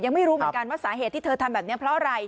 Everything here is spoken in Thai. ไม่รู้เหมือนกันว่าสาเหตุที่เธอทำแบบนี้เพราะอะไร